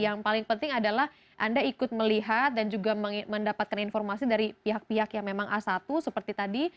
yang paling penting adalah anda ikut melihat dan juga mendapatkan informasi dari pihak pihak yang memang a satu seperti tadi